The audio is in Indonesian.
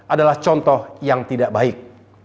adalah contoh yang tidak baik